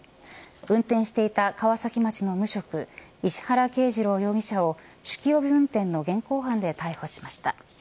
運転していた川崎町の無職石原啓二郎容疑者を酒気帯び運転の現行犯で逮捕しました。